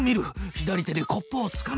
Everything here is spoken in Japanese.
左手でコップをつかむ。